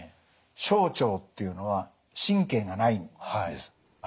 小腸っていうのは神経がないんです。